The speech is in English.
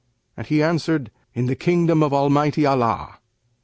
and he answered, 'In the kingdom of Almighty Allah!'